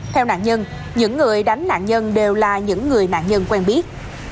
theo nạn nhân những người đánh nạn nhân đều là những người nạn nhân quen biết